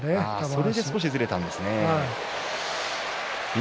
それでずれたんですね。